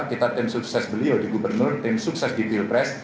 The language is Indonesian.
kita tim sukses beliau di gubernur tim sukses di pilpres